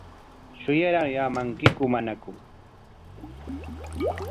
¿Shuyaraamankiku manaku?